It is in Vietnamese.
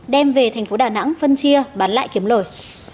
đem về thành phố đà nẵng phân chia bán lại kiếm lời